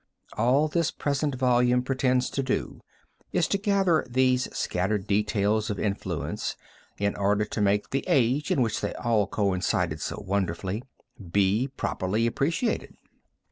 All this present volume pretends to do is to gather these scattered details of influence in order to make the age in which they all coincided so wonderfully, be properly appreciated.